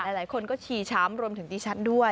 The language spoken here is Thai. หลายคนก็ชี่ช้ำรวมถึงตี้ช้ำด้วย